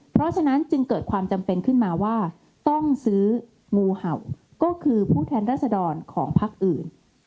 เพราะฉะนั้นจึงเกิดความจำเป็นขึ้นมาว่าต้องซื้องูเห่าก็คือผู้แทนรัศดรของพักอื่น